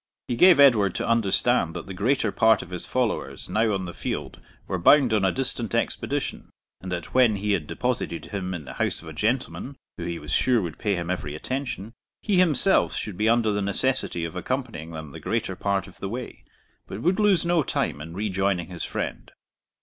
He gave Edward to understand that the greater part of his followers now on the field were bound on a distant expedition, and that when he had deposited him in the house of a gentleman, who he was sure would pay him every attention, he himself should be under the necessity of accompanying them the greater part of the way, but would lose no time in rejoining his friend.